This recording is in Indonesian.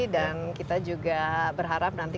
dan kita juga berharap nanti